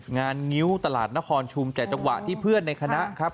งิ้วตลาดนครชุมแต่จังหวะที่เพื่อนในคณะครับ